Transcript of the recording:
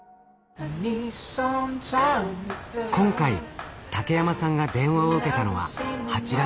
今回竹山さんが電話を受けたのは８月の３日間。